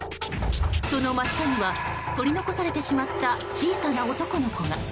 その真下には取り残されてしまった小さな男の子が。